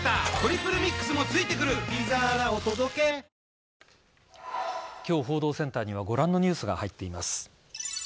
自衛隊は今日、報道センターにはご覧のニュースが入っています。